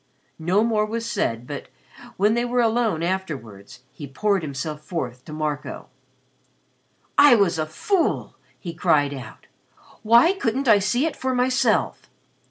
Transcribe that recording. No more was said but, when they were alone afterwards, he poured himself forth to Marco. "I was a fool!" he cried out. "Why couldn't I see it for myself!